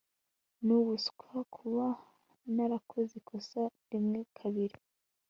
nubuswa kuba narakoze ikosa rimwe kabiri